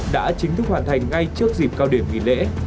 đã chính thức hoàn thành ngay trước dịp cao điểm nghỉ lễ